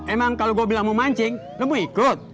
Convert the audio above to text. emang kalau gua bilang mau mancing lu mau ikut